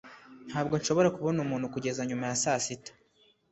Ntabwo nshobora kubona umuntu kugeza nyuma ya sasita.